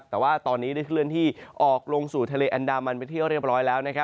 แต่ว่าตอนนี้ได้เคลื่อนที่ออกลงสู่ทะเลอันดามันเป็นที่เรียบร้อยแล้ว